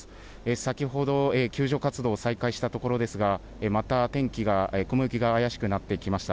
先ほど、救助活動を再開したところですが、また天気が、雲行きが怪しくなってきました。